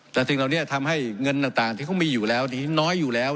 แต่สิ่งให้เงินน่ะต่างที่เขามีอยู่แล้วสิ่งที่น้อยอยู่แล้ว